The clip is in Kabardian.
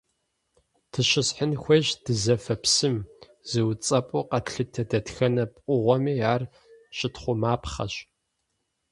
Дыщысхьын хуейщ дызэфэ псым, зыуцӀэпӀу къэтлъытэ дэтхэнэ пкъыгъуэми ар щытхъумапхъэщ.